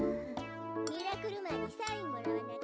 ・ミラクルマンにサインもらわなきゃ。